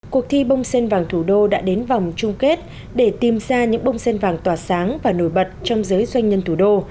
cuộc thi bông sen vàng thủ đô đã đến vòng chung kết để tìm ra những bông sen vàng tỏa sáng và nổi bật trong giới doanh nhân thủ đô